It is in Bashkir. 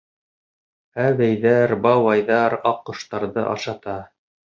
Әбейҙәр, бабайҙар аҡҡоштарҙы ашата.